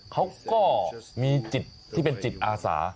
เขาก็มีจิตที่เป็นจิตอาสา